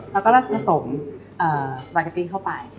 แล้วก็ผสมสปาเกตตี้เข้าไป